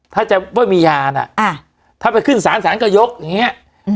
ถ้าจะว่ามียาน่ะอ่าถ้าไปขึ้นสารสารกระยกอย่างเงี้ยอืม